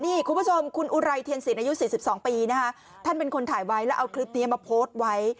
นี่คุณผู้ชมคุณอุไรเทียนสินอายุ๔๒ปีนะคะท่านเป็นคนถ่ายไว้แล้วเอาคลิปนี้มาโพสต์ไว้